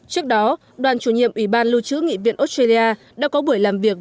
trước đó đoàn chủ nhiệm ủy ban lưu trữ nghị viện australia đã có buổi làm việc